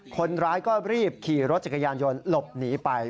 คนร้ายก็รีบขี่รถจักรยานยนต์หลบหนีไป